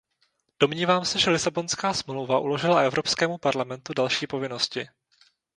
Domnívám se, že Lisabonská smlouva uložila Evropskému parlamentu další povinnosti.